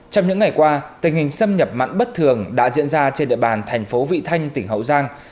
trong những ngày qua tình hình xâm nhập mặn bất thường đã diễn ra trên địa bàn thành phố vị thanh tỉnh hậu giang